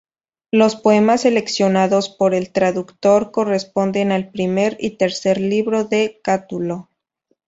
Los poemas seleccionados por el traductor corresponden al primer y tercer libro de Catulo.